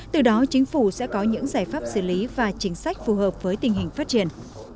từ đó chính phủ sẽ có những giải pháp xử lý và chính sách phù hợp với tình hình phát triển